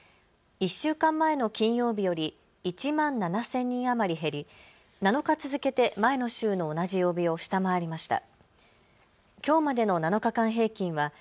１週間前の金曜日より１万７０００人余り減り７日続けて前の週の同じ曜日を下回りました。